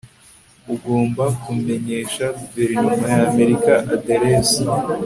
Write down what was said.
ugomba kumenyesha guverinoma y'amerika aderese